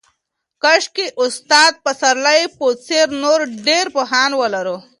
کاشکې د استاد پسرلي په څېر نور ډېر پوهان ولرو.